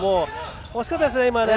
惜しかったですね。